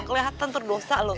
ternyata terdosa loh